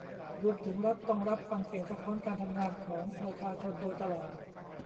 รวมถึงรัฐต้องรับฟังเสียงสะท้อนการทำงานของประชาชนโดยตลอด